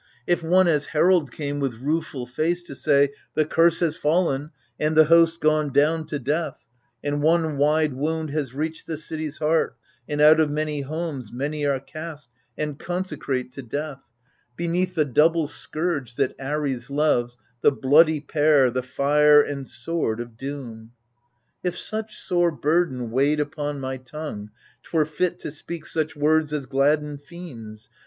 If one as herald came with rueful face To say, The curse has fallen^ and the host Gone down to death; and one wide wound has reached The citys hearty and out of many hotnes Many are cast and consecrate to deaths Beneath the double scourge^ that Ares lovesy The bloody pair^ the fire and sword of doom — If such sore burden weighed upon my tongue, 'Twere fit to speak such words as gladden fiends.